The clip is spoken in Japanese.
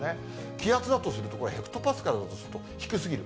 気圧だとすると、これ、ヘクトパスカルだとすると低すぎる。